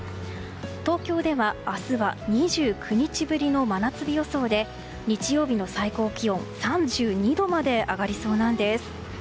東京では明日は２９日ぶりの真夏日予想で日曜日の最高気温は３２度まで上がりそうなんです。